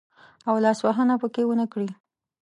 او لاس وهنه پکښې ونه کړي.